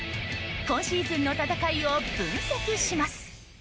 今シーズンの戦いを分析します。